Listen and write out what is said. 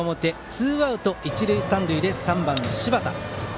ツーアウト一塁三塁で３番の柴田。